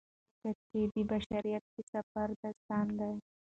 تاریخ په حقیقت کې د بشریت د سفر داستان دی.